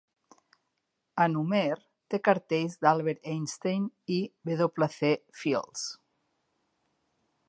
En Homer té cartells d'Albert Einstein i W. C. Fields.